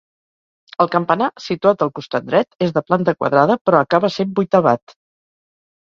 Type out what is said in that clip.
El campanar, situat al costat dret, és de planta quadrada, però acaba sent vuitavat.